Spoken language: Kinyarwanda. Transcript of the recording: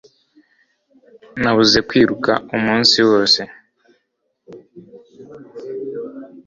Nabuze kwiruka umunsi wose.